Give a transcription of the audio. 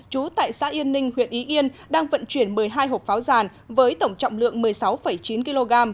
trú tại xã yên ninh huyện y yên đang vận chuyển một mươi hai hộp pháo giàn với tổng trọng lượng một mươi sáu chín kg